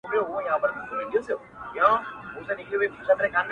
نه پوهېږي چي چاره پوري حيران دي،